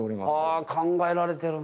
あ考えられてるな。